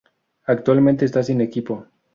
Actualmente está sin equipo.